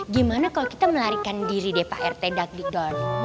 gimana kalau kita melarikan diri deh pak rt dagdikun